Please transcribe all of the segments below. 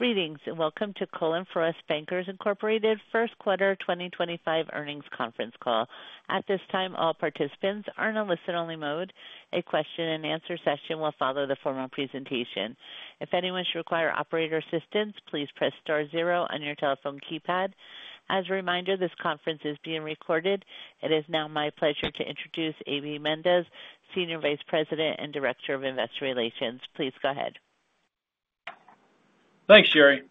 Greetings and welcome to Cullen/Frost Bankers first quarter 2025 earnings conference call. At this time, all participants are in a listen-only mode. A question-and-answer session will follow the formal presentation. If anyone should require operator assistance, please press star zero on your telephone keypad. As a reminder, this conference is being recorded. It is now my pleasure to introduce AB Mendez, Senior Vice President and Director of Investor Relations. Please go ahead. Thanks, Jerry.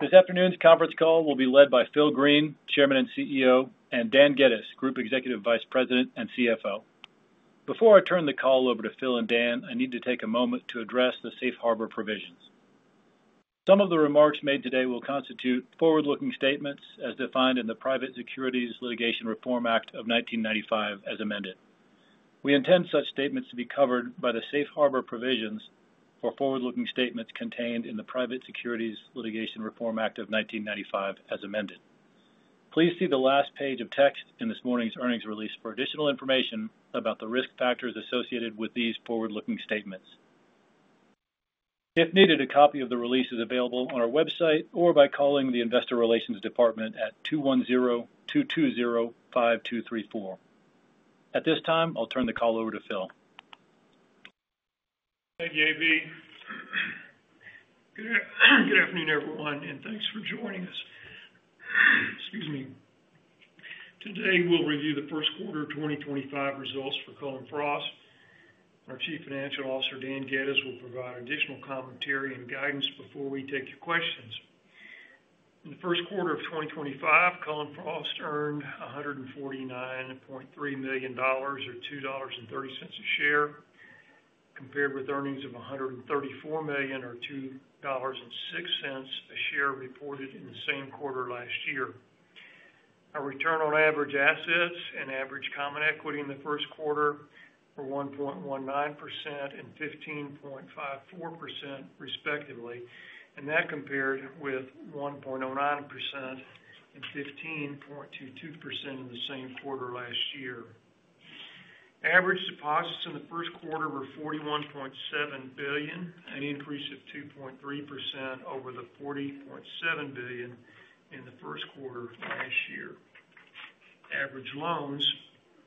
This afternoon's conference call will be led by Phil Green, Chairman and CEO, and Dan Geddes, Group Executive Vice President and CFO. Before I turn the call over to Phil and Dan, I need to take a moment to address the safe harbor provisions. Some of the remarks made today will constitute forward-looking statements as defined in the Private Securities Litigation Reform Act of 1995, as amended. We intend such statements to be covered by the safe harbor provisions for forward-looking statements contained in the Private Securities Litigation Reform Act of 1995, as amended. Please see the last page of text in this morning's earnings release for additional information about the risk factors associated with these forward-looking statements. If needed, a copy of the release is available on our website or by calling the Investor Relations Department at 210-220-5234. At this time, I'll turn the call over to Phil. Thank you, AB. Good afternoon, everyone, and thanks for joining us. Excuse me. Today, we'll review the first quarter 2025 results for Cullen/Frost. Our Chief Financial Officer, Dan Geddes, will provide additional commentary and guidance before we take your questions. In the first quarter of 2025, Cullen/Frost earned $149.3 million, or $2.30 a share, compared with earnings of $134 million, or $2.06 a share, reported in the same quarter last year. Our return on average assets and average common equity in the first quarter were 1.19% and 15.54%, respectively, and that compared with 1.09% and 15.22% in the same quarter last year. Average deposits in the first quarter were $41.7 billion, an increase of 2.3% over the $40.7 billion in the first quarter last year. Average loans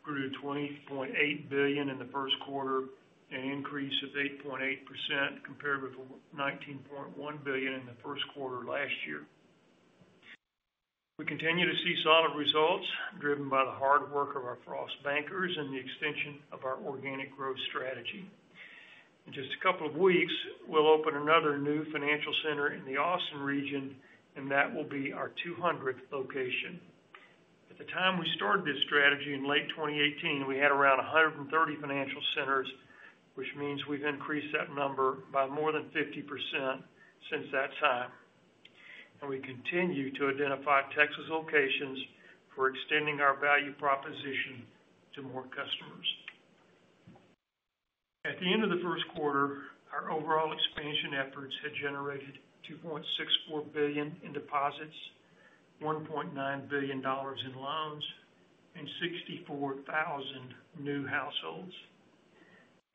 grew $20.8 billion in the first quarter, an increase of 8.8%, compared with $19.1 billion in the first quarter last year. We continue to see solid results driven by the hard work of our Frost Bankers and the extension of our organic growth strategy. In just a couple of weeks, we'll open another new financial center in the Austin region, and that will be our 200th location. At the time we started this strategy in late 2018, we had around 130 financial centers, which means we've increased that number by more than 50% since that time. We continue to identify Texas locations for extending our value proposition to more customers. At the end of the first quarter, our overall expansion efforts had generated $2.64 billion in deposits, $1.9 billion in loans, and 64,000 new households.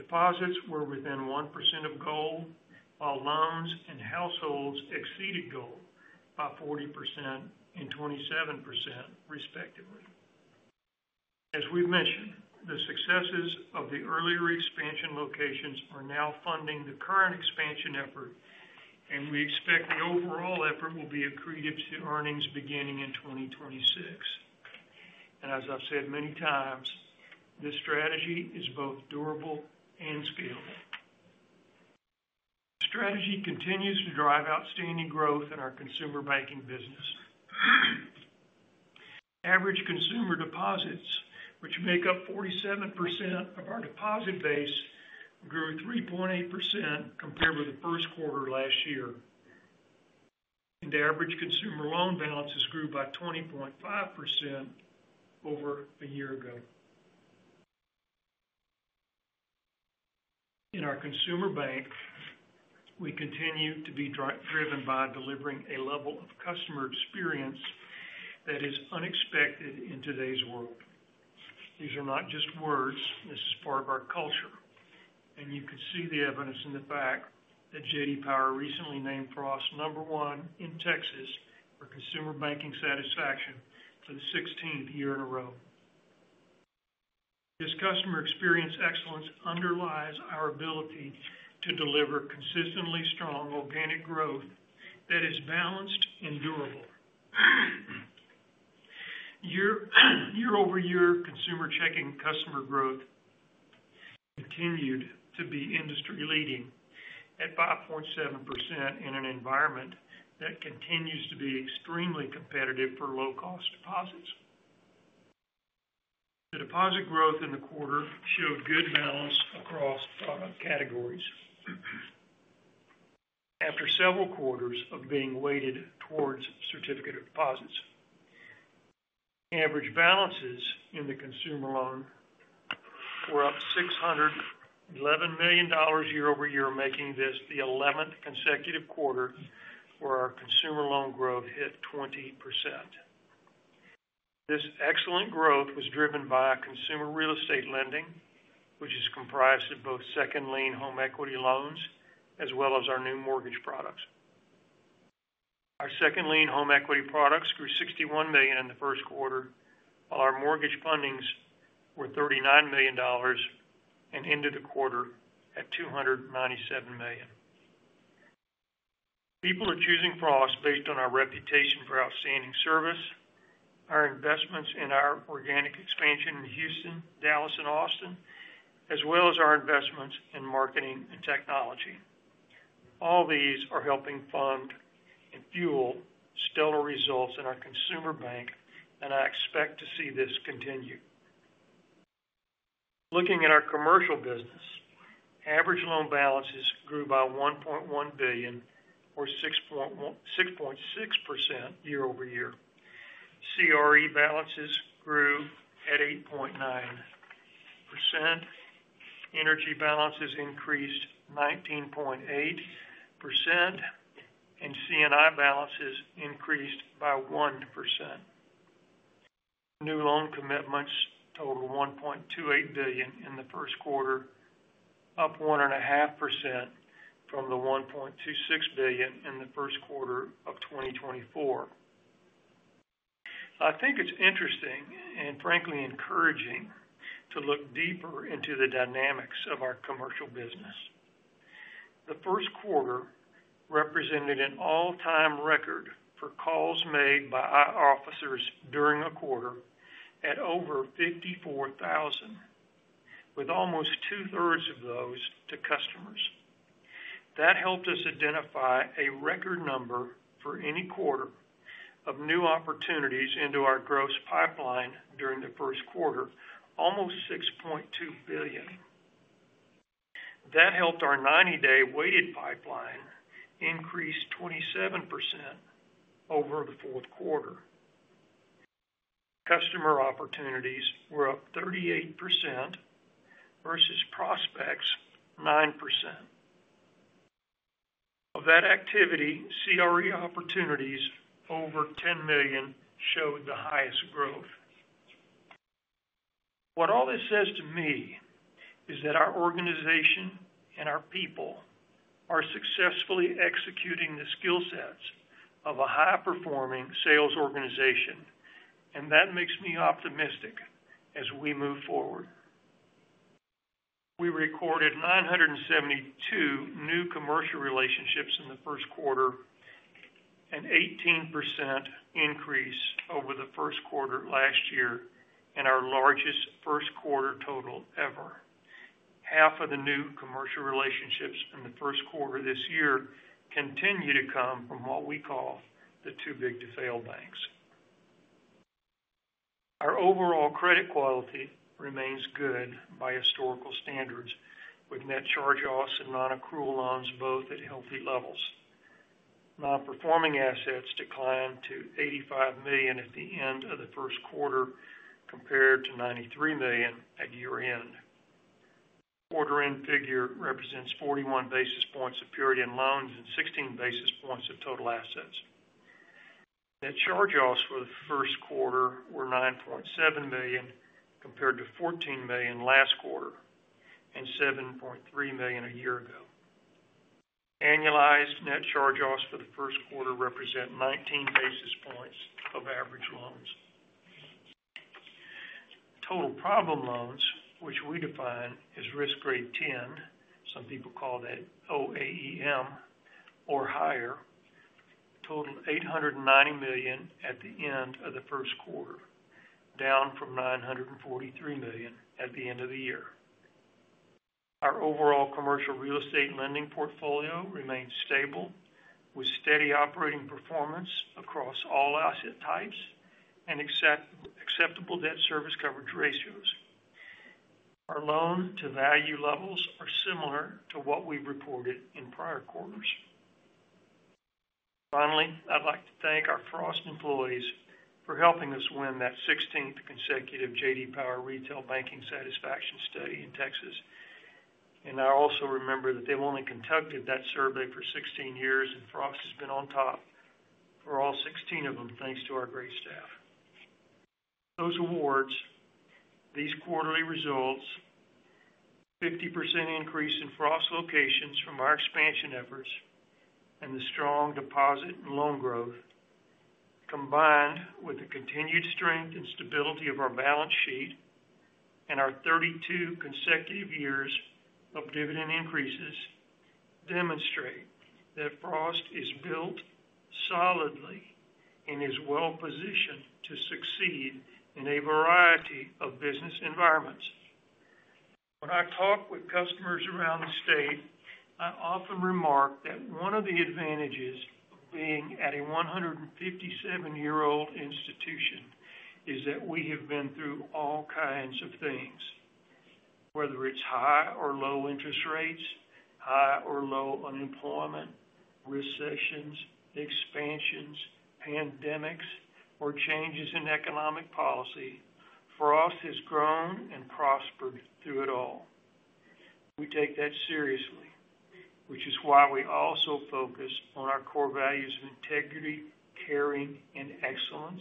Deposits were within 1% of goal, while loans and households exceeded goal by 40% and 27%, respectively. As we have mentioned, the successes of the earlier expansion locations are now funding the current expansion effort, and we expect the overall effort will be accretive to earnings beginning in 2026. As I have said many times, this strategy is both durable and scalable. The strategy continues to drive outstanding growth in our consumer banking business. Average consumer deposits, which make up 47% of our deposit base, grew 3.8% compared with the first quarter last year. Average consumer loan balances grew by 20.5% over a year ago. In our consumer bank, we continue to be driven by delivering a level of customer experience that is unexpected in today's world. These are not just words; this is part of our culture. You can see the evidence in the fact that J.D. Power recently Frost number one in Texas for consumer banking satisfaction for the 16th year in a row. This customer experience excellence underlies our ability to deliver consistently strong organic growth that is balanced and durable. Year-over-year consumer checking customer growth continued to be industry-leading at 5.7% in an environment that continues to be extremely competitive for low-cost deposits. The deposit growth in the quarter showed good balance across product categories after several quarters of being weighted towards certificate of deposits. Average balances in the consumer loan were up $611 million year-over-year, making this the 11th consecutive quarter where our consumer loan growth hit 20%. This excellent growth was driven by consumer real estate lending, which is comprised of both second lien home equity loans as well as our new mortgage products. Our second-lie home equity products grew $61 million in the first quarter, while our mortgage fundings were $39 million and ended the quarter at $297 million. People are choosing Frost based on our reputation for outstanding service, our investments in our organic expansion in Houston, Dallas, and Austin, as well as our investments in marketing and technology. All these are helping fund and fuel stellar results in our consumer bank, and I expect to see this continue. Looking at our commercial business, average loan balances grew by $1.1 billion, or 6.6% year-over-year. CRE balances grew at 8.9%. Energy balances increased 19.8%, and C&I balances increased by 1%. New loan commitments totaled $1.28 billion in the first quarter, up 1.5% from the $1.26 billion in the first quarter of 2024. I think it's interesting and frankly encouraging to look deeper into the dynamics of our commercial business. The first quarter represented an all-time record for calls made by our officers during a quarter at over 54,000, with almost two-thirds of those to customers. That helped us identify a record number for any quarter of new opportunities into our gross pipeline during the first quarter, almost $6.2 billion. That helped our 90-day weighted pipeline increase 27% over the fourth quarter. Customer opportunities were up 38% versus prospects 9%. Of that activity, CRE opportunities over $10 million showed the highest growth. What all this says to me is that our organization and our people are successfully executing the skill sets of a high-performing sales organization, and that makes me optimistic as we move forward. We recorded 972 new commercial relationships in the first quarter, an 18% increase over the first quarter last year, and our largest first-quarter total ever. Half of the new commercial relationships in the first quarter this year continue to come from what we call the too-big-to-fail banks. Our overall credit quality remains good by historical standards, with net charge-offs and non-accrual loans both at healthy levels. Non-performing assets declined to $85 million at the end of the first quarter compared to $93 million at year-end. The quarter-end figure represents 41 basis points of period-end loans and 16 basis points of total assets. Net charge-offs for the first quarter were $9.7 million compared to $14 million last quarter and $7.3 million a year ago. Annualized net charge-offs for the first quarter represent 19 basis points of average loans. Total problem loans, which we define as risk grade 10, some people call that OAEM or higher, totaled $890 million at the end of the first quarter, down from $943 million at the end of the year. Our overall commercial real estate lending portfolio remains stable, with steady operating performance across all asset types and acceptable debt service coverage ratios. Our loan-to-value levels are similar to what we've reported in prior quarters. Finally, I'd like to thank our Frost employees for helping us win that 16th consecutive J.D. Power retail banking satisfaction study in Texas. I also remember that they've only conducted that survey for 16 years, and Frost has been on top for all 16 of them thanks to our great staff. Those awards, these quarterly results, 50% increase in Frost locations from our expansion efforts, and the strong deposit and loan growth, combined with the continued strength and stability of our balance sheet and our 32 consecutive years of dividend increases, demonstrate that Frost is built solidly and is well-positioned to succeed in a variety of business environments. When I talk with customers around the state, I often remark that one of the advantages of being at a 157-year-old institution is that we have been through all kinds of things, whether it's high or low interest rates, high or low unemployment, recessions, expansions, pandemics, or changes in economic policy. Frost has grown and prospered through it all. We take that seriously, which is why we also focus on our core values of integrity, caring, and excellence.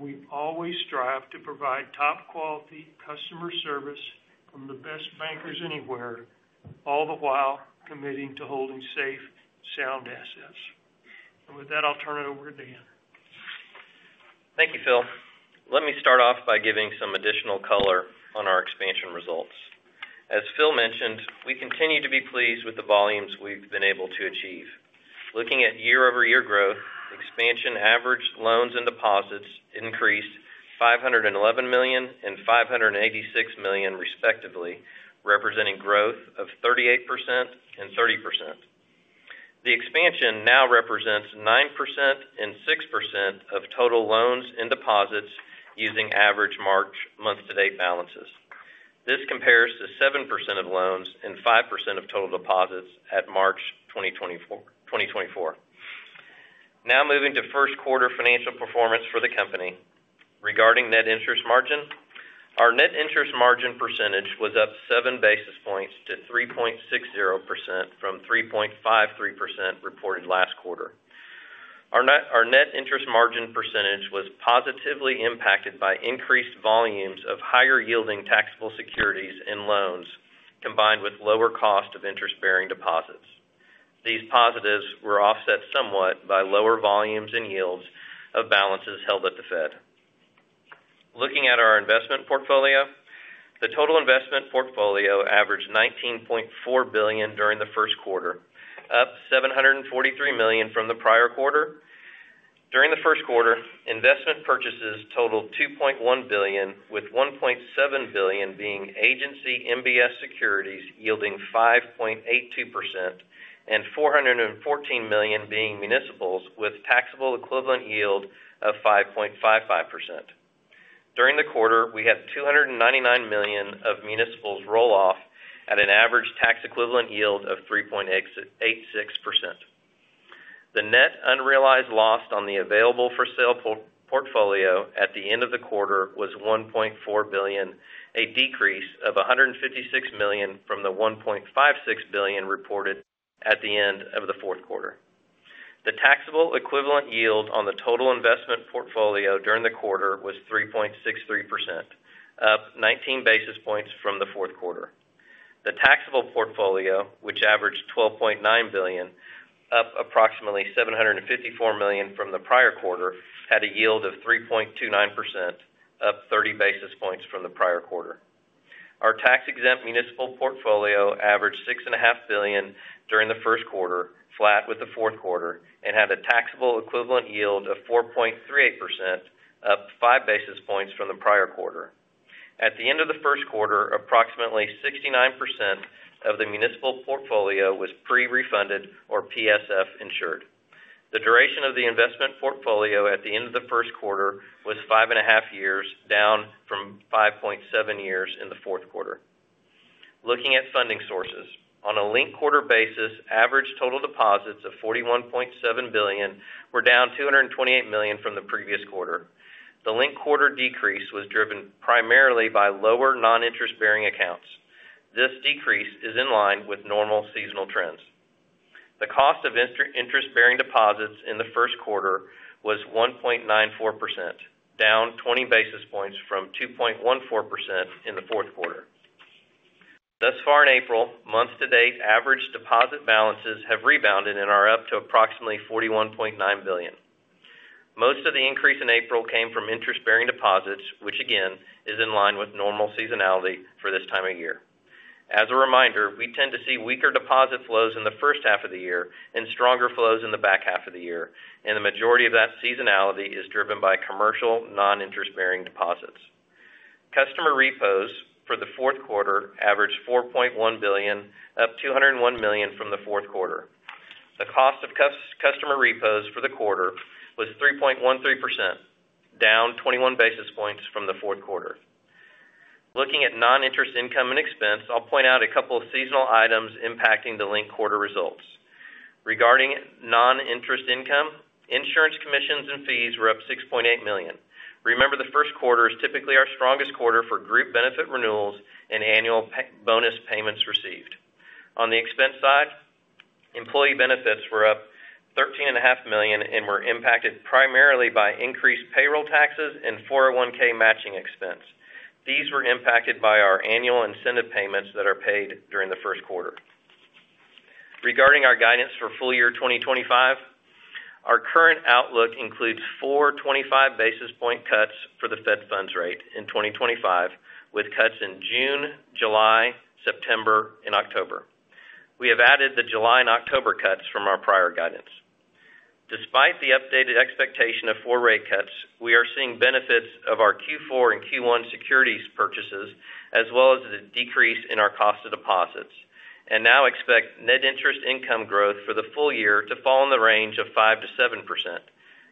We always strive to provide top-quality customer service from the best bankers anywhere, all the while committing to holding safe, sound assets. With that, I'll turn it over to Dan. Thank you, Phil. Let me start off by giving some additional color on our expansion results. As Phil mentioned, we continue to be pleased with the volumes we've been able to achieve. Looking at year-over-year growth, expansion averaged loans and deposits increased $511 million and $586 million, respectively, representing growth of 38% and 30%. The expansion now represents 9% and 6% of total loans and deposits using average March month-to-date balances. This compares to 7% of loans and 5% of total deposits at March 2024. Now moving to first-quarter financial performance for the company. Regarding net interest margin, our net interest margin percentage was up 7 basis points to 3.60% from 3.53% reported last quarter. Our net interest margin percentage was positively impacted by increased volumes of higher-yielding taxable securities and loans combined with lower cost of interest-bearing deposits. These positives were offset somewhat by lower volumes and yields of balances held at the Fed. Looking at our investment portfolio, the total investment portfolio averaged $19.4 billion during the first quarter, up $743 million from the prior quarter. During the first quarter, investment purchases totaled $2.1 billion, with $1.7 billion being agency MBS securities yielding 5.82% and $414 million being municipals with taxable equivalent yield of 5.55%. During the quarter, we had $299 million of municipals roll off at an average tax equivalent yield of 3.86%. The net unrealized loss on the available-for-sale portfolio at the end of the quarter was $1.4 billion, a decrease of $156 million from the $1.56 billion reported at the end of the fourth quarter. The taxable equivalent yield on the total investment portfolio during the quarter was 3.63%, up 19 basis points from the fourth quarter. The taxable portfolio, which averaged $12.9 billion, up approximately $754 million from the prior quarter, had a yield of 3.29%, up 30 basis points from the prior quarter. Our tax-exempt municipal portfolio averaged $6.5 billion during the first quarter, flat with the fourth quarter, and had a taxable equivalent yield of 4.38%, up 5 basis points from the prior quarter. At the end of the first quarter, approximately 69% of the municipal portfolio was pre-refunded or PSF-insured. The duration of the investment portfolio at the end of the first quarter was 5.5 years, down from 5.7 years in the fourth quarter. Looking at funding sources, on a link quarter basis, average total deposits of $41.7 billion were down $228 million from the previous quarter. The link quarter decrease was driven primarily by lower non-interest-bearing accounts. This decrease is in line with normal seasonal trends. The cost of interest-bearing deposits in the first quarter was 1.94%, down 20 basis points from 2.14% in the fourth quarter. Thus far in April, month-to-date average deposit balances have rebounded and are up to approximately $41.9 billion. Most of the increase in April came from interest-bearing deposits, which again is in line with normal seasonality for this time of year. As a reminder, we tend to see weaker deposit flows in the first half of the year and stronger flows in the back half of the year, and the majority of that seasonality is driven by commercial non-interest-bearing deposits. Customer repos for the fourth quarter averaged $4.1 billion, up $201 million from the fourth quarter. The cost of customer repos for the quarter was 3.13%, down 21 basis points from the fourth quarter. Looking at non-interest income and expense, I'll point out a couple of seasonal items impacting the link quarter results. Regarding non-interest income, insurance commissions and fees were up $6.8 million. Remember, the first quarter is typically our strongest quarter for group benefit renewals and annual bonus payments received. On the expense side, employee benefits were up $13.5 million and were impacted primarily by increased payroll taxes and 401(k) matching expense. These were impacted by our annual incentive payments that are paid during the first quarter. Regarding our guidance for full year 2025, our current outlook includes four 25 basis point cuts for the Fed funds rate in 2025, with cuts in June, July, September, and October. We have added the July and October cuts from our prior guidance. Despite the updated expectation of four rate cuts, we are seeing benefits of our Q4 and Q1 securities purchases, as well as a decrease in our cost of deposits, and now expect net interest income growth for the full year to fall in the range of 5%-7%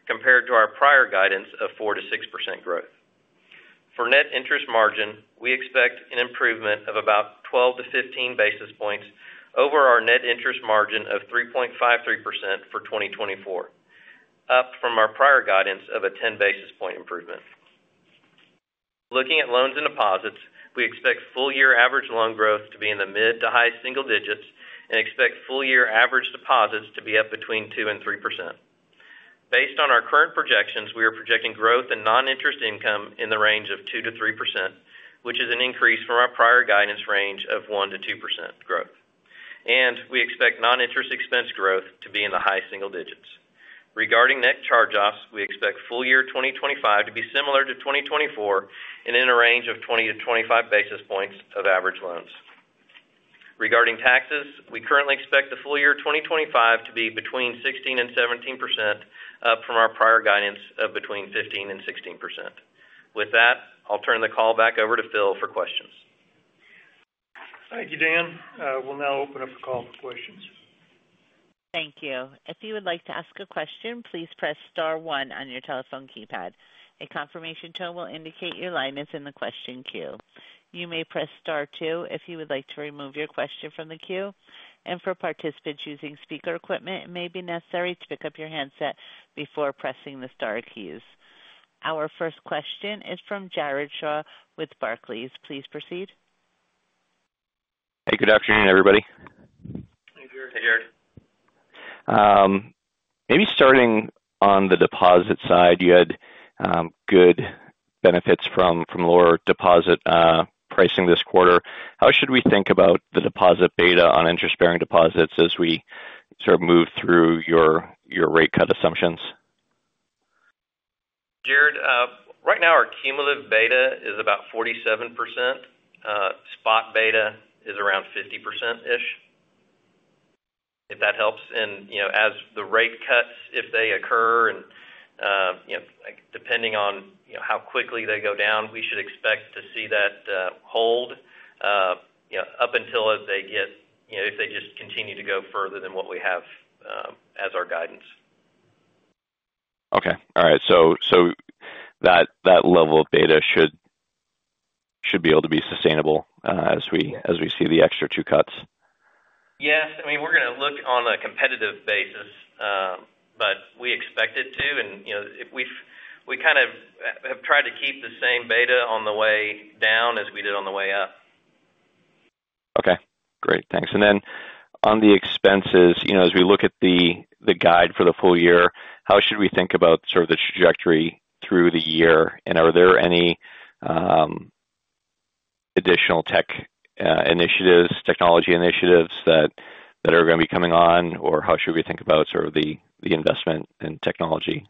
compared to our prior guidance of 4%-6% growth. For net interest margin, we expect an improvement of about 12-15 basis points over our net interest margin of 3.53% for 2024, up from our prior guidance of a 10 basis point improvement. Looking at loans and deposits, we expect full year average loan growth to be in the mid to high single digits and expect full year average deposits to be up between 2% and 3%. Based on our current projections, we are projecting growth in non-interest income in the range of 2%-3%, which is an increase from our prior guidance range of 1%-2% growth. We expect non-interest expense growth to be in the high single digits. Regarding net charge-offs, we expect full year 2025 to be similar to 2024 and in a range of 20-25 basis points of average loans. Regarding taxes, we currently expect the full year 2025 to be between 16% and 17%, up from our prior guidance of between 15% and 16%. With that, I'll turn the call back over to Phil for questions. Thank you, Dan. We'll now open up the call for questions. Thank you. If you would like to ask a question, please press star one on your telephone keypad. A confirmation tone will indicate your line is in the question queue. You may press star two if you would like to remove your question from the queue. For participants using speaker equipment, it may be necessary to pick up your handset before pressing the star keys. Our first question is from Jared Shaw with Barclays. Please proceed. Hey, good afternoon, everybody. Hey, Jared. Maybe starting on the deposit side, you had good benefits from lower deposit pricing this quarter. How should we think about the deposit beta on interest-bearing deposits as we sort of move through your rate cut assumptions? Jared, right now our cumulative beta is about 47%. Spot beta is around 50%-ish, if that helps. As the rate cuts, if they occur, and depending on how quickly they go down, we should expect to see that hold up until they get if they just continue to go further than what we have as our guidance. Okay. All right. That level of beta should be able to be sustainable as we see the extra two cuts. Yes. I mean, we're going to look on a competitive basis, but we expect it to. We kind of have tried to keep the same beta on the way down as we did on the way up. Okay. Great. Thanks. As we look at the guide for the full year on the expenses, how should we think about sort of the trajectory through the year? Are there any additional tech initiatives, technology initiatives that are going to be coming on? How should we think about sort of the investment in technology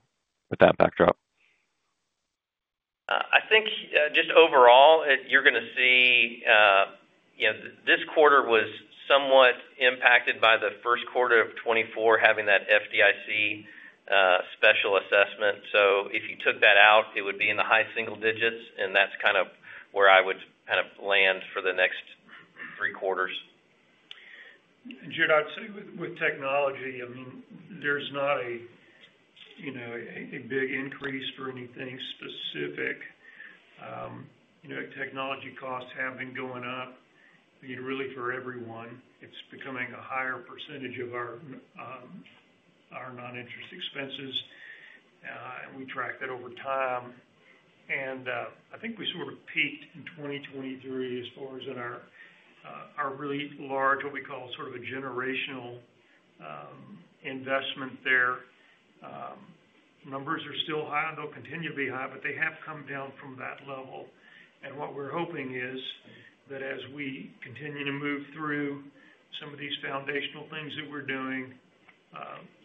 with that backdrop? I think just overall, you're going to see this quarter was somewhat impacted by the first quarter of 2024 having that FDIC special assessment. If you took that out, it would be in the high single digits. That's kind of where I would kind of land for the next three quarters. Jared, I'd say with technology, I mean, there's not a big increase for anything specific. Technology costs have been going up, really, for everyone. It's becoming a higher percentage of our non-interest expenses. We track that over time. I think we sort of peaked in 2023 as far as in our really large, what we call sort of a generational investment there. Numbers are still high. They'll continue to be high, but they have come down from that level. What we're hoping is that as we continue to move through some of these foundational things that we're doing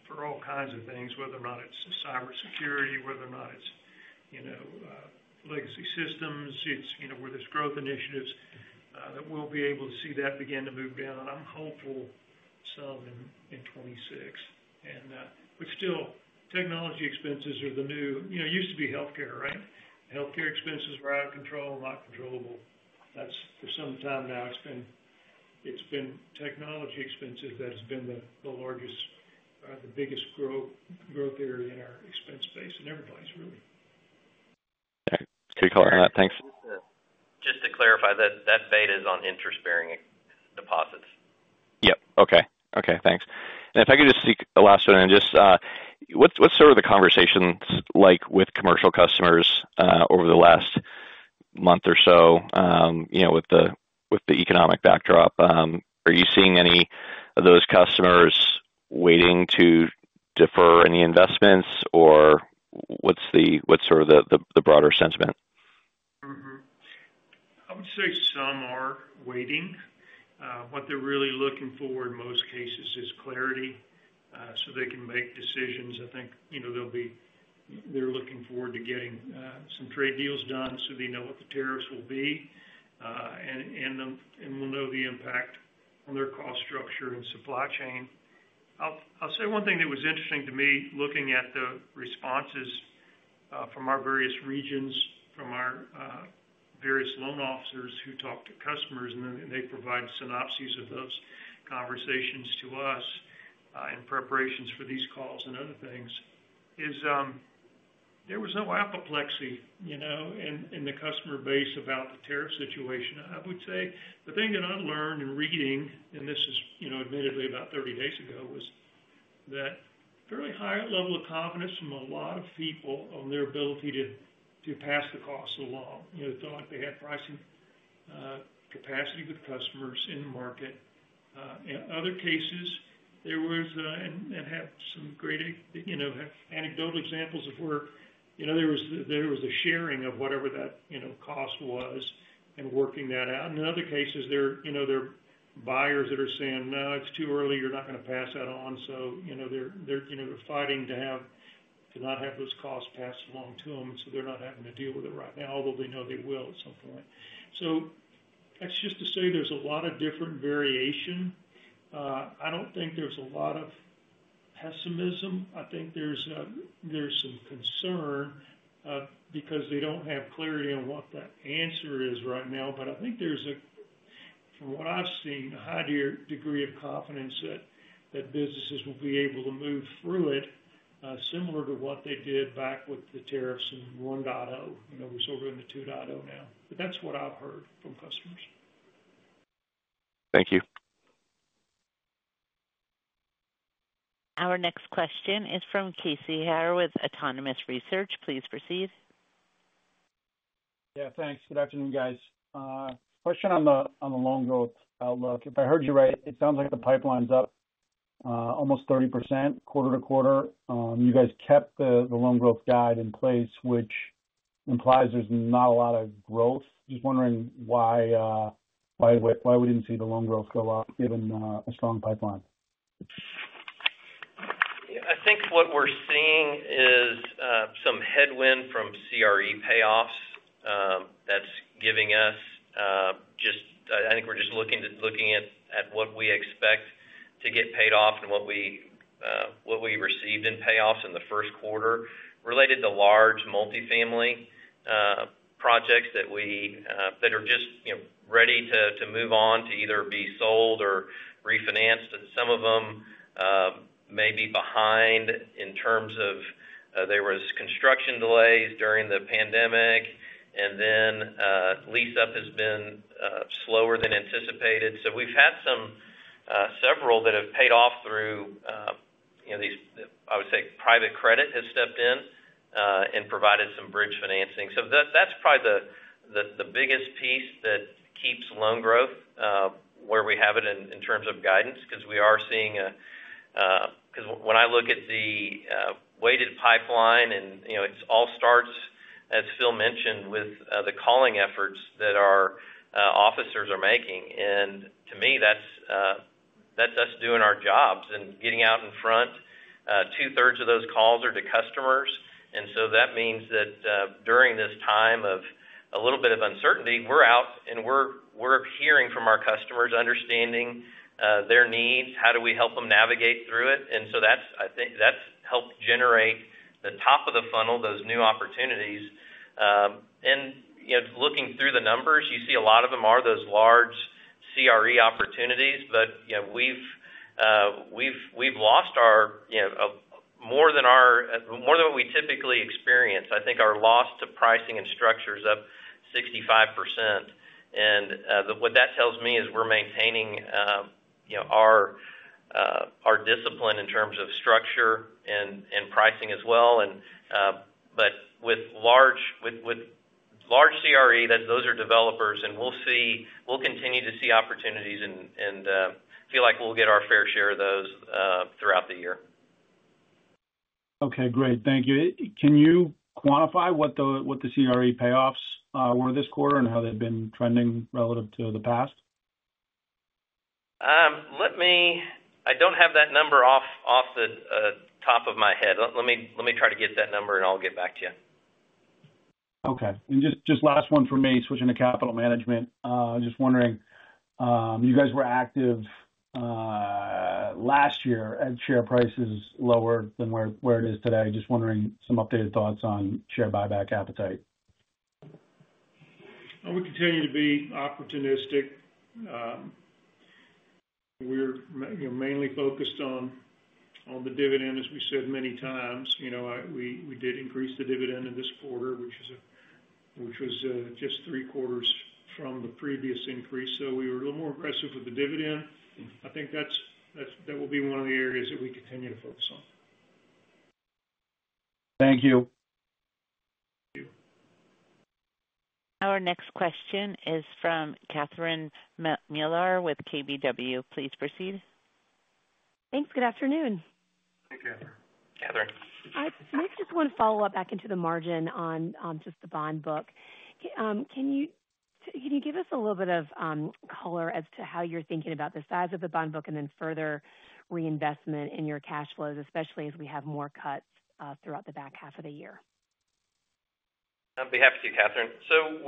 for all kinds of things, whether or not it's cybersecurity, whether or not it's legacy systems, where there's growth initiatives, that we'll be able to see that begin to move down. I'm hopeful some in 2026. Still, technology expenses are the new, it used to be healthcare, right? Healthcare expenses were out of control, not controllable. That's for some time now. It's been technology expenses that has been the largest or the biggest growth area in our expense space, in everybody's, really. Okay. Thanks. Just to clarify, that beta is on interest-bearing deposits. Yep. Okay. Okay. Thanks. If I could just speak the last one, just what's sort of the conversations like with commercial customers over the last month or so with the economic backdrop? Are you seeing any of those customers waiting to defer any investments, or what's sort of the broader sentiment? I would say some are waiting. What they're really looking for in most cases is clarity so they can make decisions. I think they're looking forward to getting some trade deals done so they know what the tariffs will be, and we'll know the impact on their cost structure and supply chain. I'll say one thing that was interesting to me, looking at the responses from our various regions, from our various loan officers who talk to customers, and then they provide synopses of those conversations to us in preparations for these calls and other things, is there was no apoplexy in the customer base about the tariff situation. I would say the thing that I learned in reading, and this is admittedly about 30 days ago, was that fairly high level of confidence from a lot of people on their ability to pass the cost along. They felt like they had pricing capacity with customers in the market. In other cases, there was and have some great anecdotal examples of where there was a sharing of whatever that cost was and working that out. In other cases, there are buyers that are saying, "No, it's too early. You're not going to pass that on." They are fighting to not have those costs passed along to them, and they are not having to deal with it right now, although they know they will at some point. That is just to say there is a lot of different variation. I do not think there is a lot of pessimism. I think there is some concern because they do not have clarity on what the answer is right now. I think there's, from what I've seen, a high degree of confidence that businesses will be able to move through it similar to what they did back with the tariffs in 1.0. We're sort of in the 2.0 now. That's what I've heard from customers. Thank you. Our next question is from Casey Haire with Autonomous Research. Please proceed. Yeah. Thanks. Good afternoon, guys. Question on the loan growth outlook. If I heard you right, it sounds like the pipeline's up almost 30% quarter to quarter. You guys kept the loan growth guide in place, which implies there's not a lot of growth. Just wondering why we didn't see the loan growth go up given a strong pipeline. I think what we're seeing is some headwind from CRE payoffs that's giving us just I think we're just looking at what we expect to get paid off and what we received in payoffs in the first quarter related to large multifamily projects that are just ready to move on to either be sold or refinanced. Some of them may be behind in terms of there were construction delays during the pandemic. Lease-up has been slower than anticipated. We've had several that have paid off through these, I would say, private credit has stepped in and provided some bridge financing. That's probably the biggest piece that keeps loan growth where we have it in terms of guidance because we are seeing a, because when I look at the weighted pipeline, and it all starts, as Phil mentioned, with the calling efforts that our officers are making. To me, that's us doing our jobs and getting out in front. Two-thirds of those calls are to customers. That means that during this time of a little bit of uncertainty, we're out, and we're hearing from our customers, understanding their needs, how do we help them navigate through it. That's helped generate the top of the funnel, those new opportunities. Looking through the numbers, you see a lot of them are those large CRE opportunities. We've lost more than we typically experience. I think our loss to pricing and structure is up 65%. What that tells me is we're maintaining our discipline in terms of structure and pricing as well. With large CRE, those are developers. We'll continue to see opportunities and feel like we'll get our fair share of those throughout the year. Okay. Great. Thank you. Can you quantify what the CRE payoffs were this quarter and how they've been trending relative to the past? I don't have that number off the top of my head. Let me try to get that number, and I'll get back to you. Okay. Just last one for me, switching to capital management. Just wondering, you guys were active last year as share prices lower than where it is today. Just wondering some updated thoughts on share buyback appetite. We continue to be opportunistic. We're mainly focused on the dividend, as we said many times. We did increase the dividend in this quarter, which was just three quarters from the previous increase. We were a little more aggressive with the dividend. I think that will be one of the areas that we continue to focus on. Thank you. You. Our next question is from Catherine Mealor with KBW. Please proceed. Thanks. Good afternoon. Hey, Catherine. I just want to follow up back into the margin on just the bond book. Can you give us a little bit of color as to how you're thinking about the size of the bond book and then further reinvestment in your cash flows, especially as we have more cuts throughout the back half of the year? I'd be happy to, Catherine.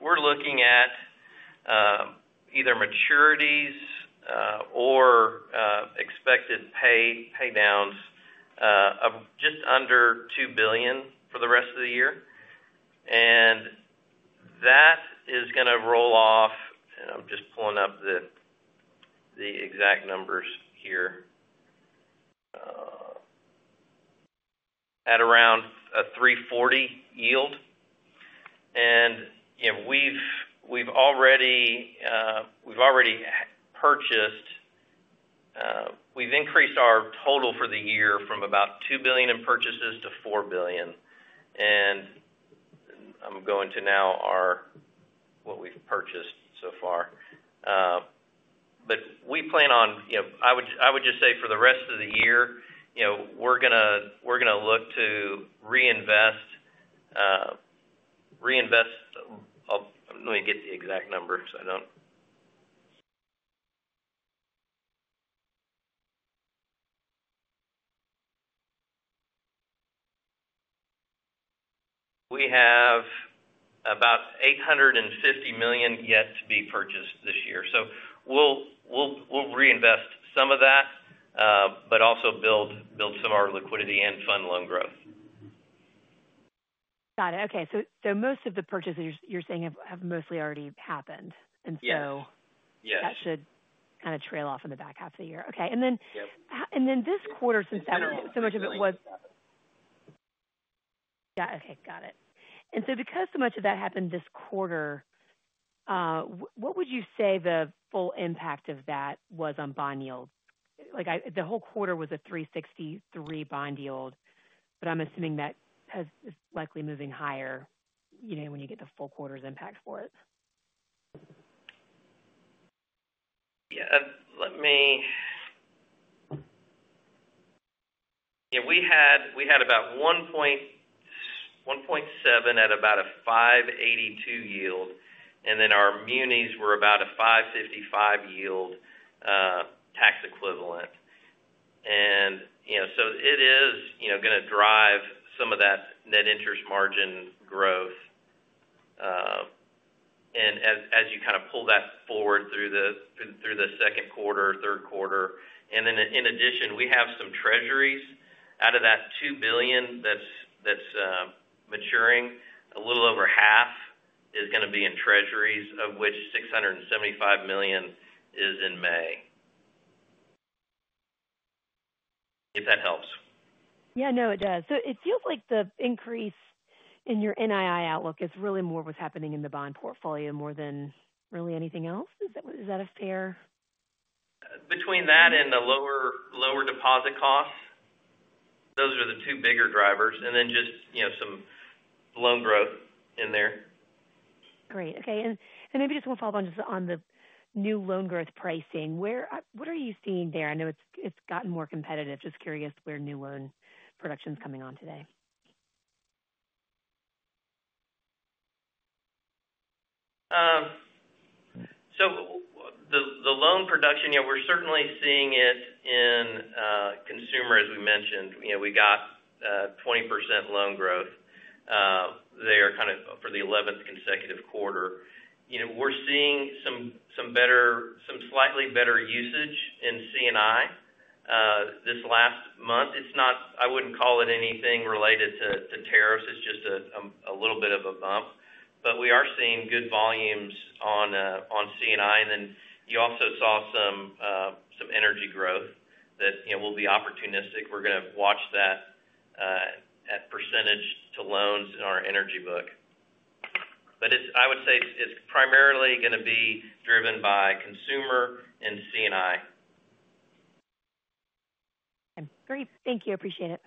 We're looking at either maturities or expected paydowns of just under $2 billion for the rest of the year. That is going to roll off, and I'm just pulling up the exact numbers here, at around a 3.40% yield. We've already purchased, we've increased our total for the year from about $2 billion in purchases to $4 billion. I'm going to now our what we've purchased so far. We plan on, I would just say for the rest of the year, we're going to look to reinvest. Let me get the exact number so I don't. We have about $850 million yet to be purchased this year. We'll reinvest some of that, but also build some of our liquidity and fund loan growth. Got it. Okay. Most of the purchases you're saying have mostly already happened. That should kind of trail off in the back half of the year. Okay. This quarter, since that was so much of it, was—yeah. Okay. Got it. Because so much of that happened this quarter, what would you say the full impact of that was on bond yield? The whole quarter was a 3.63% bond yield, but I'm assuming that is likely moving higher when you get the full quarter's impact for it. Yeah. Yeah. We had about $1.7 billion at about a 5.82% yield. Our munis were about a 5.55% yield tax equivalent. It is going to drive some of that net interest margin growth. As you kind of pull that forward through the second quarter, third quarter. In addition, we have some treasuries. Out of that $2 billion that is maturing, a little over half is going to be in treasuries, of which $675 million is in May, if that helps. Yeah. No, it does. It feels like the increase in your NII outlook is really more what's happening in the bond portfolio more than really anything else. Is that fair? Between that and the lower deposit costs, those are the two bigger drivers. Just some loan growth in there. Great. Okay. Maybe just one follow-up on the new loan growth pricing. What are you seeing there? I know it's gotten more competitive. Just curious where new loan production's coming on today. The loan production, yeah, we're certainly seeing it in consumer, as we mentioned. We got 20% loan growth. They are kind of for the 11th consecutive quarter. We're seeing some slightly better usage in C&I this last month. I wouldn't call it anything related to tariffs. It's just a little bit of a bump. We are seeing good volumes on C&I. You also saw some energy growth that will be opportunistic. We're going to watch that at percentage to loans in our energy book. I would say it's primarily going to be driven by consumer and C&I. Great. Thank you. Appreciate it.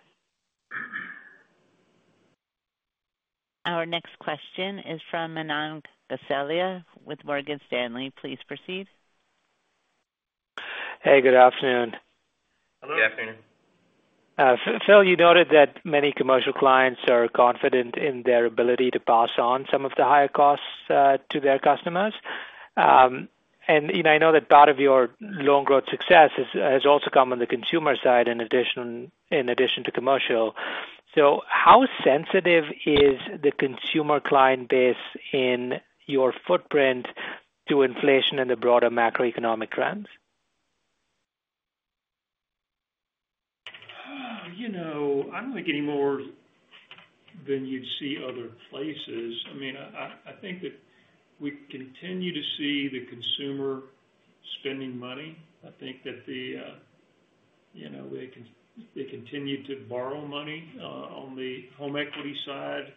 Our next question is from Manan Gosalia with Morgan Stanley. Please proceed. Hey. Good afternoon. Hello. Good afternoon. Phil, you noted that many commercial clients are confident in their ability to pass on some of the higher costs to their customers. I know that part of your loan growth success has also come on the consumer side in addition to commercial. How sensitive is the consumer client base in your footprint to inflation and the broader macroeconomic trends? I don't think anymore than you'd see other places. I mean, I think that we continue to see the consumer spending money. I think that they continue to borrow money on the home equity side.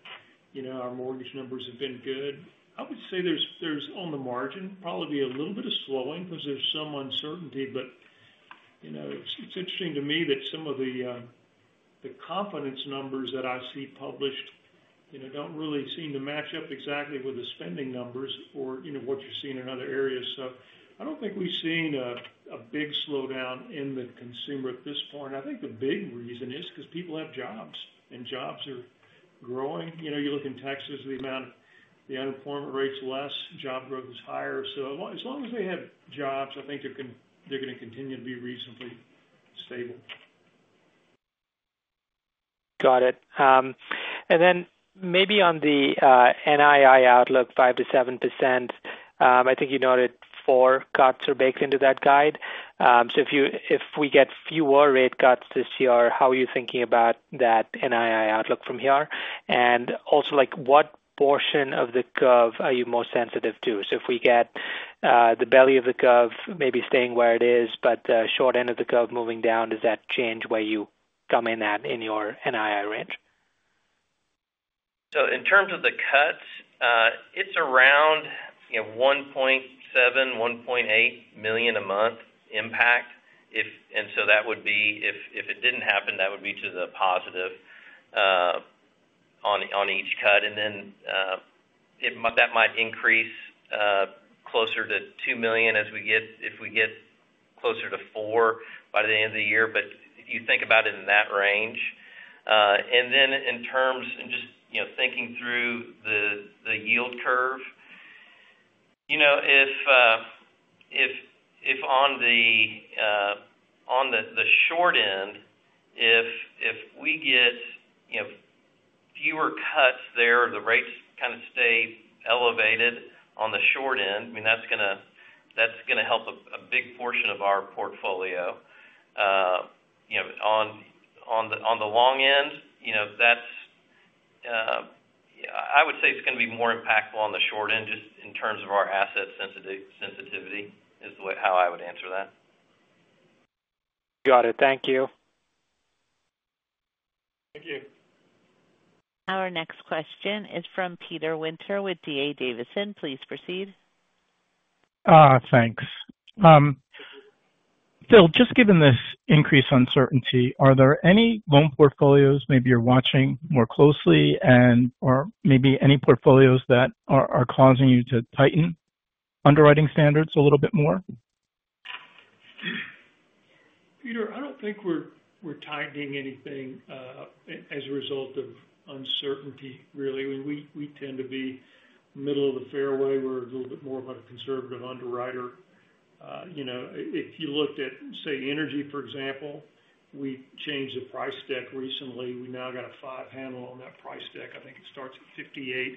Our mortgage numbers have been good. I would say there's, on the margin, probably a little bit of slowing because there's some uncertainty. It is interesting to me that some of the confidence numbers that I see published don't really seem to match up exactly with the spending numbers or what you're seeing in other areas. I don't think we've seen a big slowdown in the consumer at this point. I think the big reason is because people have jobs, and jobs are growing. You look in Texas, the amount of the unemployment rate's less. Job growth is higher. As long as they have jobs, I think they're going to continue to be reasonably stable. Got it. Maybe on the NII outlook, 5-7%, I think you noted four cuts are baked into that guide. If we get fewer rate cuts this year, how are you thinking about that NII outlook from here? Also, what portion of the curve are you most sensitive to? If we get the belly of the curve maybe staying where it is, but the short end of the curve moving down, does that change where you come in at in your NII range? In terms of the cuts, it's around $1.7-$1.8 million a month impact. That would be if it did not happen, that would be to the positive on each cut. That might increase closer to $2 million if we get closer to four by the end of the year. If you think about it in that range. In terms of just thinking through the yield curve, if on the short end, if we get fewer cuts there, the rates kind of stay elevated on the short end, I mean, that's going to help a big portion of our portfolio. On the long end, I would say it's going to be more impactful on the short end just in terms of our asset sensitivity is how I would answer that. Got it. Thank you. Thank you. Our next question is from Peter Winter with D.A. Davidson. Please proceed. Thanks. Phil, just given this increase in uncertainty, are there any loan portfolios maybe you're watching more closely or maybe any portfolios that are causing you to tighten underwriting standards a little bit more? Peter, I do not think we are tightening anything as a result of uncertainty, really. I mean, we tend to be middle of the fairway. We are a little bit more of a conservative underwriter. If you looked at, say, energy, for example, we changed the price deck recently. We now got a five handle on that price deck. I think it starts at $58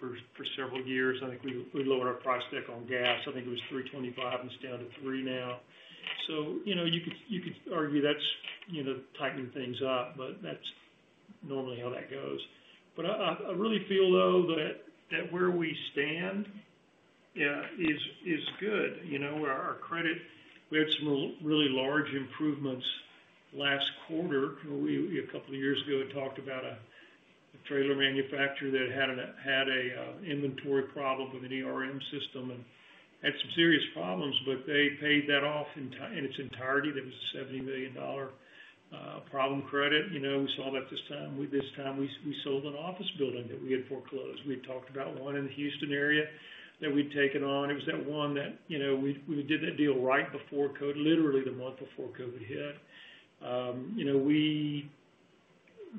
for several years. I think we lowered our price deck on gas. I think it was $3.25 and it is down to $3 now. You could argue that is tightening things up, but that is normally how that goes. I really feel, though, that where we stand is good. Our credit, we had some really large improvements last quarter. A couple of years ago, we talked about a trailer manufacturer that had an inventory problem with a system and had some serious problems, but they paid that off in its entirety. That was a $70 million problem credit. We saw that this time. This time, we sold an office building that we had foreclosed. We had talked about one in the Houston area that we'd taken on. It was that one that we did that deal right before COVID, literally the month before COVID hit.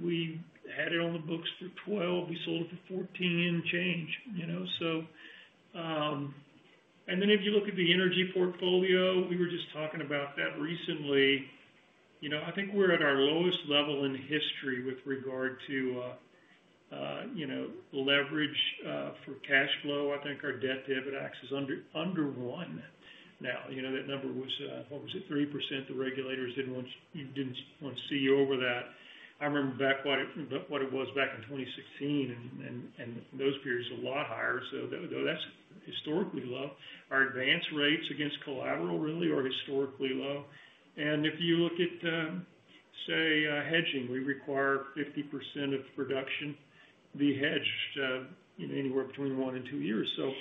We had it on the books for 12. We sold it for 14 and change. If you look at the energy portfolio, we were just talking about that recently. I think we're at our lowest level in history with regard to leverage for cash flow. I think our debt-to-evidence axis is under 1 now. That number was, what was it, 3%? The regulators did not want to see you over that. I remember what it was back in 2016, and those periods are a lot higher. Though that is historically low, our advance rates against collateral really are historically low. If you look at, say, hedging, we require 50% of production be hedged anywhere between one and two years. I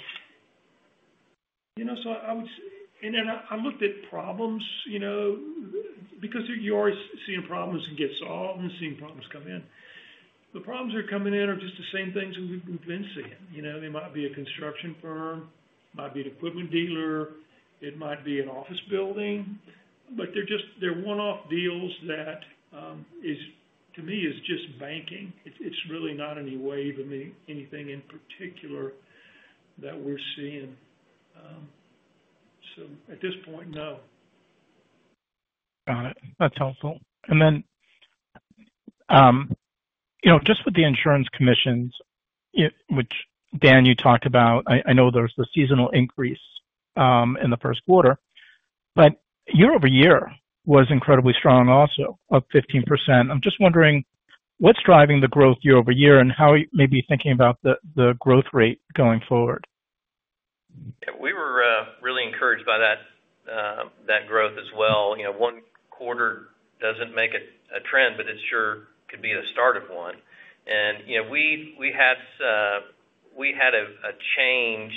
would say, and then I looked at problems because you are always seeing problems get solved and seeing problems come in. The problems that are coming in are just the same things we have been seeing. They might be a construction firm, might be an equipment dealer, it might be an office building, but they are one-off deals that, to me, is just banking. It is really not any wave of anything in particular that we are seeing. At this point, no. Got it. That's helpful. With the insurance commissions, which Dan, you talked about, I know there's a seasonal increase in the first quarter, but year-over-year was incredibly strong also, up 15%. I'm just wondering what's driving the growth year-over-year and how maybe thinking about the growth rate going forward? We were really encouraged by that growth as well. One quarter does not make a trend, but it sure could be the start of one. We had a change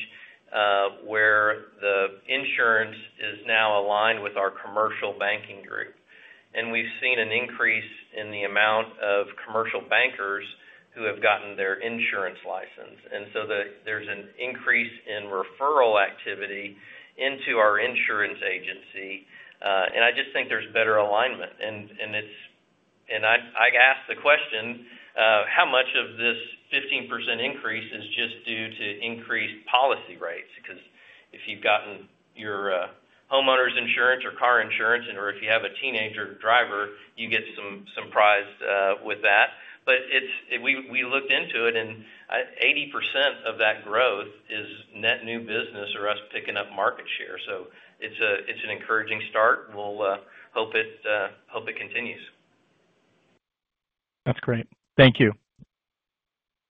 where the insurance is now aligned with our commercial banking group. We have seen an increase in the amount of commercial bankers who have gotten their insurance license. There is an increase in referral activity into our insurance agency. I just think there is better alignment. I asked the question, how much of this 15% increase is just due to increased policy rates? Because if you have gotten your homeowner's insurance or car insurance, or if you have a teenager driver, you get some prize with that. We looked into it, and 80% of that growth is net new business or us picking up market share. It is an encouraging start. We will hope it continues. That's great. Thank you.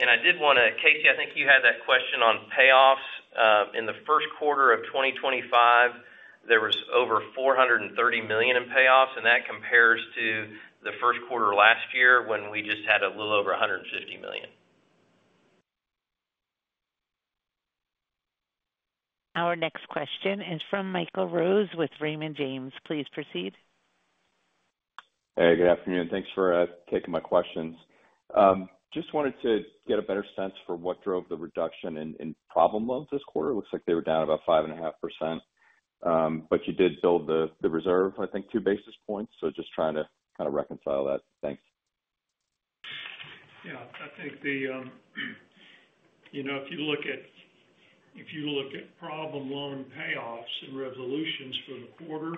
I did want to, Casey, I think you had that question on payoffs. In the first quarter of 2025, there was over $430 million in payoffs, and that compares to the first quarter last year when we just had a little over $150 million. Our next question is from Michael Rose with Raymond James. Please proceed. Hey, good afternoon. Thanks for taking my questions. Just wanted to get a better sense for what drove the reduction in problem loans this quarter. It looks like they were down about 5.5%, but you did build the reserve, I think, two basis points. Just trying to kind of reconcile that. Thanks. Yeah. I think if you look at problem loan payoffs and resolutions for the quarter,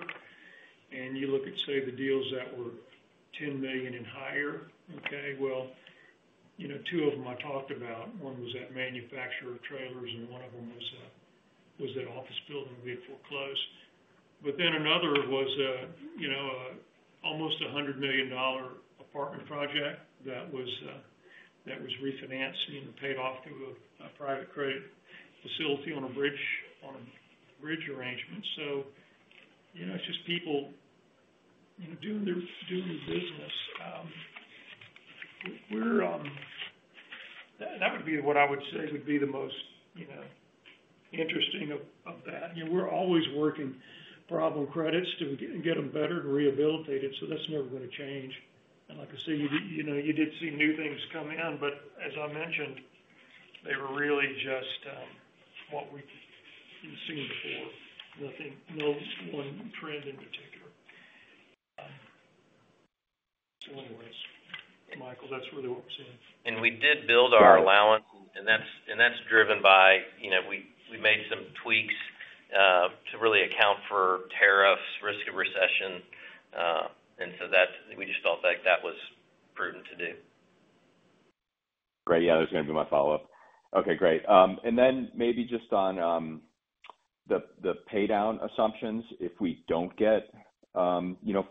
and you look at, say, the deals that were $10 million and higher, okay, two of them I talked about. One was that manufacturer of trailers, and one of them was that office building we had foreclosed. Another was almost a $100 million apartment project that was refinanced and paid off through a private credit facility on a bridge arrangement. It is just people doing their business. That would be what I would say would be the most interesting of that. We are always working problem credits to get them better and rehabilitated. That is never going to change. Like I say, you did see new things come in, but as I mentioned, they were really just what we had seen before. No one trend in particular. Anyways, Michael, that's really what we're seeing. We did build our allowance, and that's driven by we made some tweaks to really account for tariffs, risk of recession. We just felt like that was prudent to do. Great. Yeah, that was going to be my follow-up. Okay, great. Maybe just on the paydown assumptions, if we do not get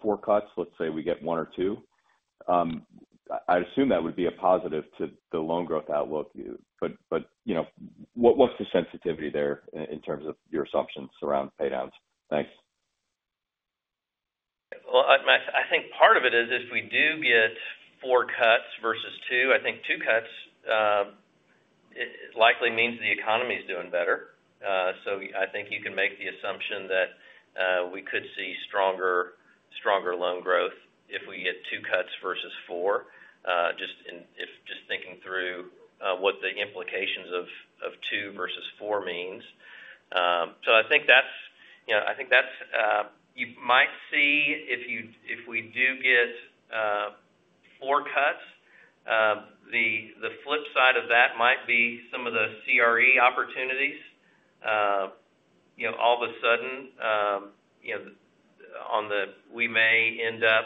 four cuts, let's say we get one or two, I assume that would be a positive to the loan growth outlook. What is the sensitivity there in terms of your assumptions around paydowns? Thanks. I think part of it is if we do get four cuts versus two, I think two cuts likely means the economy is doing better. I think you can make the assumption that we could see stronger loan growth if we get two cuts versus four, just thinking through what the implications of two versus four means. I think you might see if we do get four cuts, the flip side of that might be some of the CRE opportunities. All of a sudden, we may end up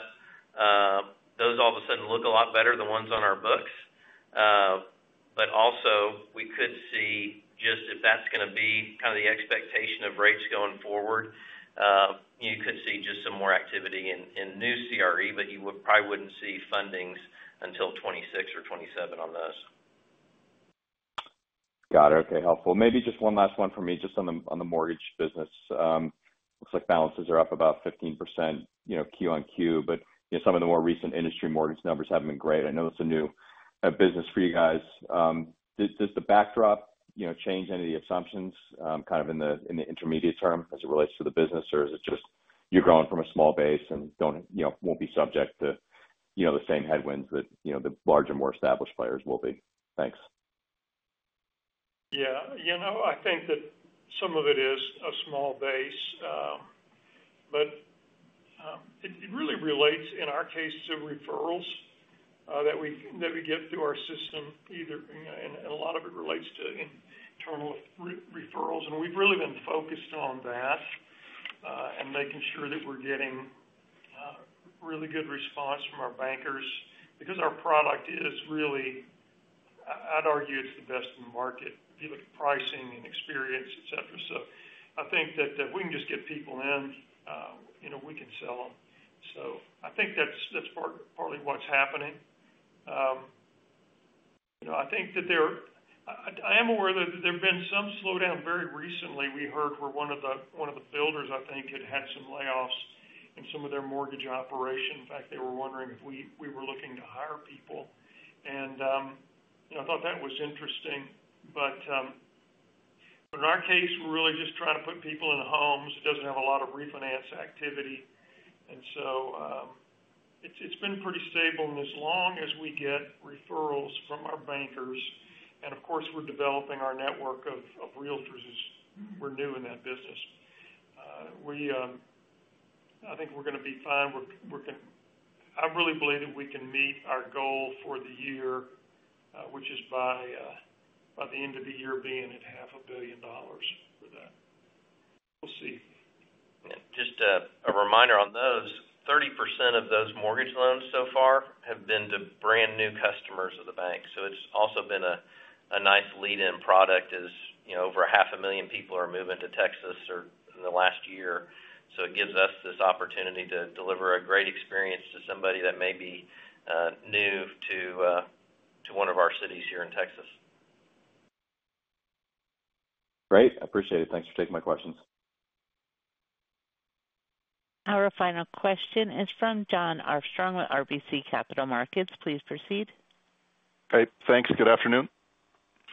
those all of a sudden look a lot better than the ones on our books. Also, we could see just if that's going to be kind of the expectation of rates going forward, you could see just some more activity in new CRE, but you probably would not see fundings until 2026 or 2027 on those. Got it. Okay, helpful. Maybe just one last one for me, just on the mortgage business. Looks like balances are up about 15% Q on Q, but some of the more recent industry mortgage numbers haven't been great. I know it's a new business for you guys. Does the backdrop change any of the assumptions kind of in the intermediate term as it relates to the business, or is it just you're growing from a small base and won't be subject to the same headwinds that the larger and more established players will be? Thanks. Yeah. I think that some of it is a small base, but it really relates in our case to referrals that we get through our system. A lot of it relates to internal referrals. We have really been focused on that and making sure that we are getting really good response from our bankers because our product is really, I would argue it is the best in the market. If you look at pricing and experience, etc. I think that if we can just get people in, we can sell them. I think that is partly what is happening. I am aware that there have been some slowdown very recently. We heard where one of the builders, I think, had had some layoffs in some of their mortgage operation. In fact, they were wondering if we were looking to hire people. I thought that was interesting.In our case, we're really just trying to put people in homes. It doesn't have a lot of refinance activity. It has been pretty stable. As long as we get referrals from our bankers, and of course, we're developing our network of realtors as we're new in that business, I think we're going to be fine. I really believe that we can meet our goal for the year, which is by the end of the year being at $500,000 for that. We'll see. Just a reminder on those, 30% of those mortgage loans so far have been to brand new customers of the bank. It has also been a nice lead-in product as over 500,000 people are moving to Texas in the last year. It gives us this opportunity to deliver a great experience to somebody that may be new to one of our cities here in Texas. Great. I appreciate it. Thanks for taking my questions. Our final question is from Jon Arfstrom with RBC Capital Markets. Please proceed. Hey, thanks. Good afternoon.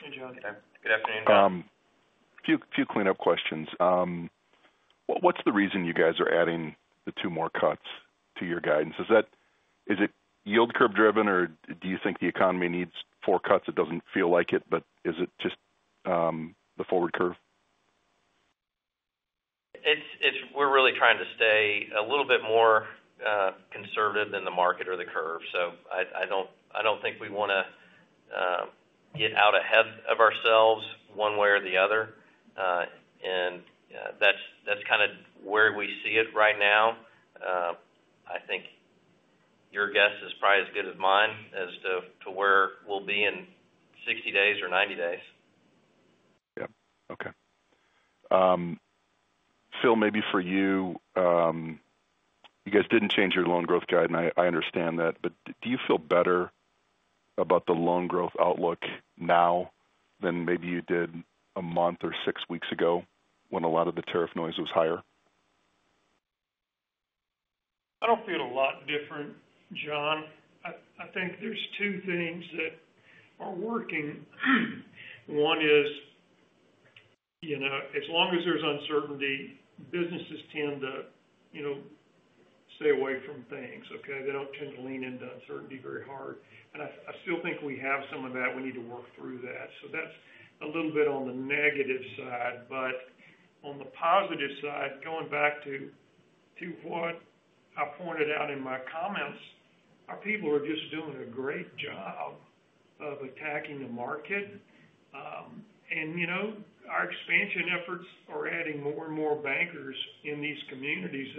Hey, John. Good afternoon. A few cleanup questions. What's the reason you guys are adding the two more cuts to your guidance? Is it yield curve driven, or do you think the economy needs four cuts? It doesn't feel like it, but is it just the forward curve? We're really trying to stay a little bit more conservative than the market or the curve. I don't think we want to get out ahead of ourselves one way or the other. That's kind of where we see it right now. I think your guess is probably as good as mine as to where we'll be in 60 days or 90 days. Yeah. Okay. Phil, maybe for you, you guys didn't change your loan growth guide, and I understand that, but do you feel better about the loan growth outlook now than maybe you did a month or six weeks ago when a lot of the tariff noise was higher? I don't feel a lot different, Jon. I think there's two things that are working. One is as long as there's uncertainty, businesses tend to stay away from things, okay? They don't tend to lean into uncertainty very hard. I still think we have some of that. We need to work through that. That's a little bit on the negative side. On the positive side, going back to what I pointed out in my comments, our people are just doing a great job of attacking the market. Our expansion efforts are adding more and more bankers in these communities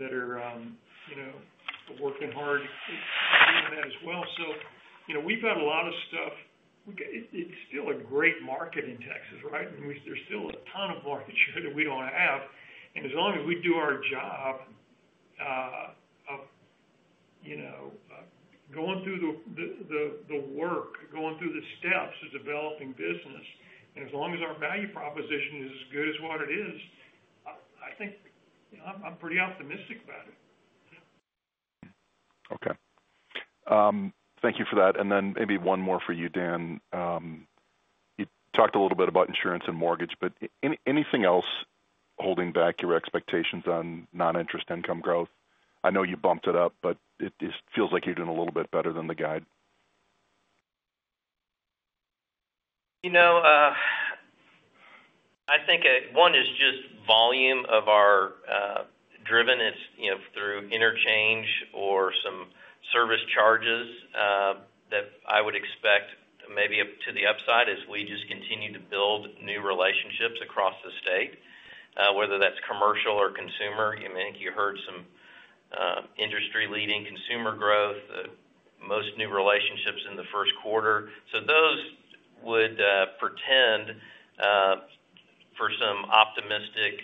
that are working hard doing that as well. We've got a lot of stuff. It's still a great market in Texas, right? I mean, there's still a ton of market share that we don't have. As long as we do our job of going through the work, going through the steps of developing business, and as long as our value proposition is as good as what it is, I think I'm pretty optimistic about it. Okay. Thank you for that. Maybe one more for you, Dan. You talked a little bit about insurance and mortgage, but anything else holding back your expectations on non-interest income growth? I know you bumped it up, but it feels like you're doing a little bit better than the guide. I think one is just volume driven through interchange or some service charges that I would expect maybe to the upside as we just continue to build new relationships across the state, whether that's commercial or consumer. I think you heard some industry-leading consumer growth, most new relationships in the first quarter. Those would portend for some optimistic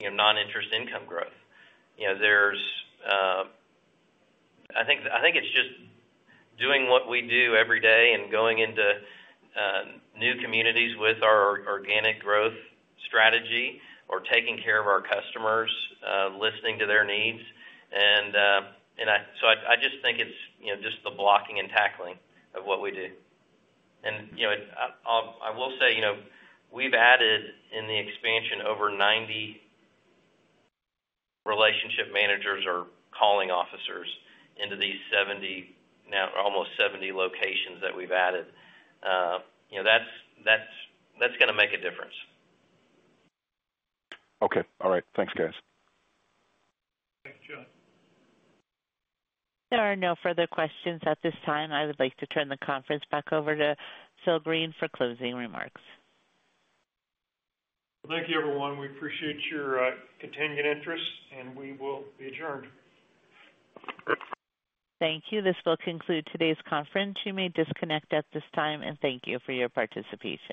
non-interest income growth. I think it's just doing what we do every day and going into new communities with our organic growth strategy or taking care of our customers, listening to their needs. I just think it's the blocking and tackling of what we do. I will say we've added in the expansion over 90 relationship managers or calling officers into these almost 70 locations that we've added. That's going to make a difference. Okay. All right. Thanks, guys. Thank you, Jon. There are no further questions at this time. I would like to turn the conference back over to Phil Green for closing remarks. Thank you, everyone. We appreciate your continued interest, and we will be adjourned. Thank you. This will conclude today's conference. You may disconnect at this time, and thank you for your participation.